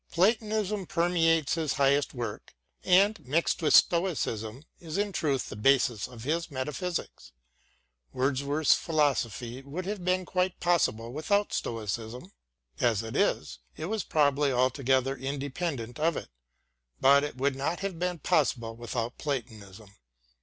Platonism permeates his highest work, and, mixed with Stoicism, is in truth the basis of his metaphysics. Wordsworth's philosophy would have been quite possible with out Stoicism ; as it is, it was probably altogether independent of it, but it would not have been possible without Platonism.